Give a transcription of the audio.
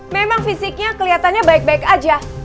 memang fisiknya kelihatannya baik baik aja